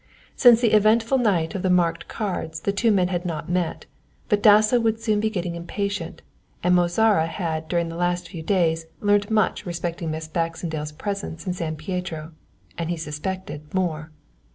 Since the eventful night of the marked cards the two men had not met, but Dasso would soon be getting impatient, and Mozara had during the last few days learnt much respecting Miss Baxendale's presence in San Pietro, and he suspected more.